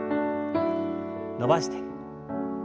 伸ばして。